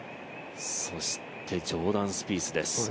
ジョーダン・スピースです。